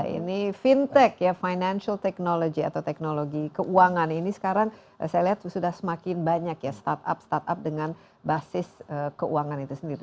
ini fintech ya financial technology atau teknologi keuangan ini sekarang saya lihat sudah semakin banyak ya startup startup dengan basis keuangan itu sendiri